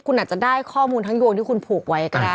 คุณอาจจะได้ข้อมูลทั้งโยงที่คุณผูกไว้ก็ได้